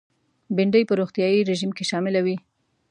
بېنډۍ په روغتیایي رژیم کې شامله وي